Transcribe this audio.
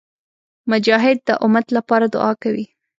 مجاهد د امت لپاره دعا کوي.